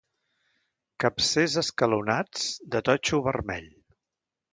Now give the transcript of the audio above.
Capcers escalonats, de totxo vermell.